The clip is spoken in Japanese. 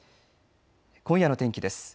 今夜の天気です。